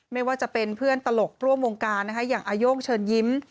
ไม่ว่าจะเป็นเพื่อนตลกร่วมวงการนะคะอย่างอาโย่งเชิญยิ้ม